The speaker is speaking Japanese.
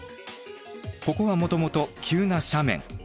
ここはもともと急な斜面。